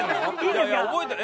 いやいや覚えてる。